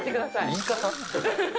言い方。